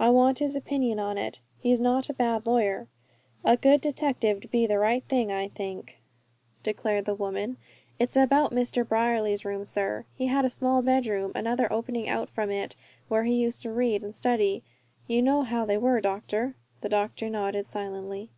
I want his opinion on it. He's not a bad lawyer." "A good detective'd be the right thing, I think," declared the woman. "It's about Mr. Brierly's room, sir. He had a small bedroom, and another opening out from it, where he used to read and study. You know how they were, doctor!" The doctor nodded silently.